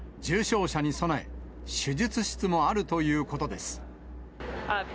重傷者に備え、手術室もあるということです。